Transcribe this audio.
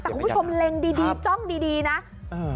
แต่คุณผู้ชมเล็งดีดีจ้องดีดีนะเออ